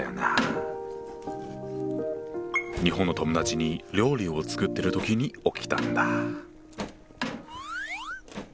日本の友達に料理を作ってる時に起きたんだ。